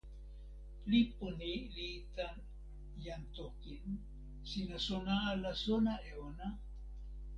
lipu ni li tan jan Tokin, sina sona ala sona e ona?